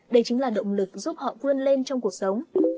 đây chính là động lực giúp họ vươn lên trong cuộc sống